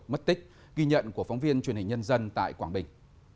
mất tích ghi nhận của phóng viên truyền hình nhân dân tại quảng bình